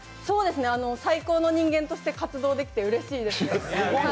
最高の人間として活動できてうれしいです。